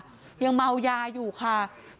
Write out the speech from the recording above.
นี่นะคะคือจับไปได้แล้วสาม